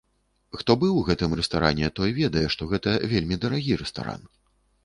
Хто быў у гэтым рэстаране, той ведае, што гэта вельмі дарагі рэстаран.